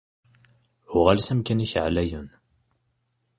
Uɣal s amkan-ik ɛlayen.